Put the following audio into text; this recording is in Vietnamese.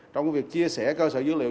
trong việc chia sẻ cơ sở dữ liệu